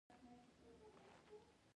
مورغاب سیند د افغانستان د اقتصاد برخه ده.